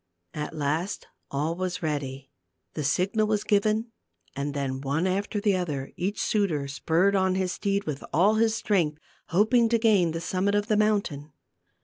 At last all was ready ; the signal was given and then, one after the other, each suitor spurred on his steed with all his strength, hoping to gain the summit of the mountain.